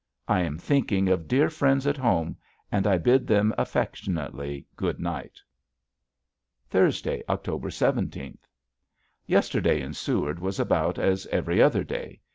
I am thinking of dear friends at home, and I bid them affectionately good night. Thursday, October seventeenth. Yesterday in Seward was about as every other day.